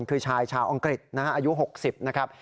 คือชายชาวอังกฤษนะฮะอายุ๖๐นะครับ